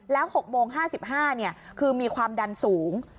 แล้ว๖โมง๕๕คือมีความดันสูง